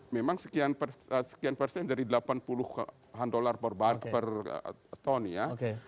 memang sekian persen dari delapan puluh an dolar per ton ya